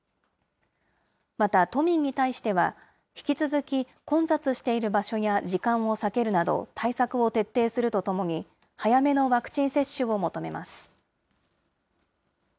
また、都民に対しては引き続き、混雑している場所や時間を避けるなど、対策を徹底するとともに、早めのワクチン接種を求めます。